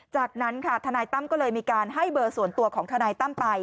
จากนั้นค่ะทนายตั้มก็เลยมีการให้เบอร์ส่วนตัวของทนายตั้มไป